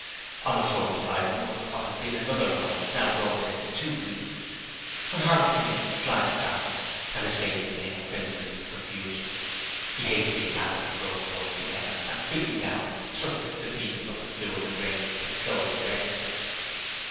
On the floor beside him was what had been another roll, now broken into two pieces. When Harlow came in, Slyme started, and his face became crimson with confusion. He hastily gathered the broken rolls together and, stooping down, thrust the pieces up the flue of the grate and closed the register.